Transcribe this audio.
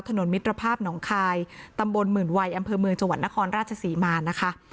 มิตรภาพหนองคายตำบลหมื่นวัยอำเภอเมืองจังหวัดนครราชศรีมานะคะ